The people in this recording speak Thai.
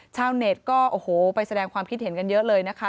ชาวเน็ตก็โอ้โหไปแสดงความคิดเห็นกันเยอะเลยนะคะ